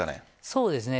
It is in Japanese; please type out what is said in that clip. そうですね。